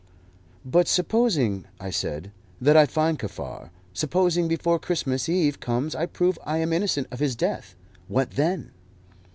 "But supposing," I said, "that I find Kaffar; supposing before Christmas Eve comes I prove I am innocent of his death. What then?"